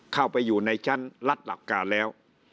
เข้าไปอยู่ในชั้นรัฐหลักการแล้ว